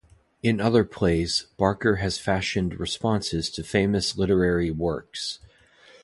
In other plays, Barker has fashioned responses to famous literary works.